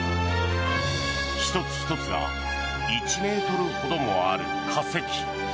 １つ１つが１ｍほどもある化石。